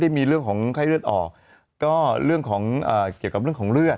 มีเรื่องของไข้เลือดออกก็เรื่องของเกี่ยวกับเรื่องของเลือด